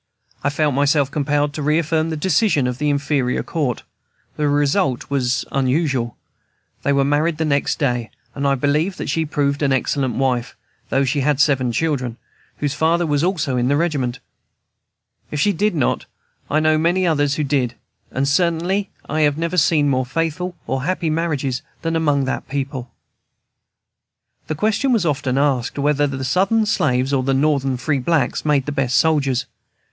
I felt myself compelled to reaffirm the decision of the inferior court. The result was as usual. They were married the next day, and I believe that she proved an excellent wife, though she had seven children, whose father was also in the regiment. If she did not, I know many others who did, and certainly I have never seen more faithful or more happy marriages than among that people. The question was often asked, whether the Southern slaves or the Northern free blacks made the best soldiers.